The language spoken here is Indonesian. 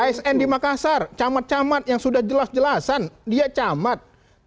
asn di makassar camat camat yang sudah jelas jelasan dia camat